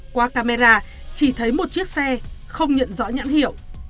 qua camera chỉ thấy một chiếc xe không nhận rõ nhãn hiệu